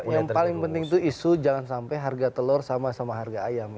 yang paling penting itu isu jangan sampai harga telur sama sama harga ayam